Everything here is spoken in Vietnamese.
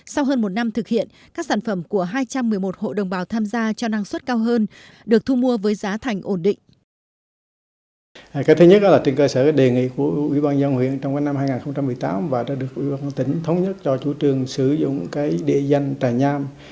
sau hơn một năm thực hiện các sản phẩm của hai trăm một mươi một hộ đồng bào tham gia cho năng suất cao hơn được thu mua với giá thành ổn định